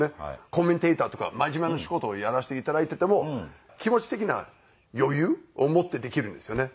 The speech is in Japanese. コメンテーターとか真面目な仕事をやらせて頂いていても気持ち的な余裕を持ってできるんですよね。